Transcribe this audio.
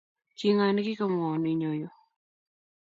kingo negigamwaun Inyo yuu?